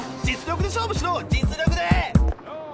実力で勝負しろ実力で！